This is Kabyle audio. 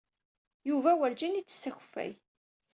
Yuba werǧin yettess akeffay.